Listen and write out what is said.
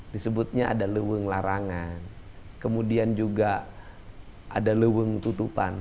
disebutnya ada leweng larangan kemudian juga ada leweng tutupan